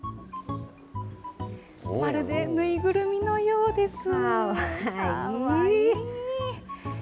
まるで縫いぐるみのようです。